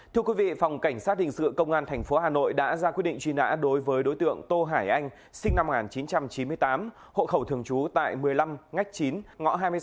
thưa quý vị phòng cảnh sát hình sự công an tp hà nội đã ra quyết định truy nã đối với đối tượng tô hải anh sinh năm một nghìn chín trăm chín mươi tám hộ khẩu thường trú tại một mươi năm ngách chín ngõ hai mươi sáu